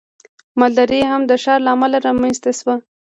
مالداري هم د ښکار له امله رامنځته شوه.